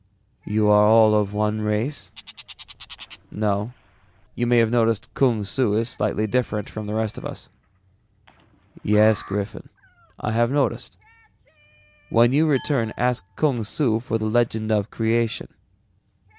"You are all of one race?" "No, you may have noticed Kung Su is slightly different from the rest of us." "Yes, Griffin, I have noticed. When you return ask Kung Su for the legend of creation.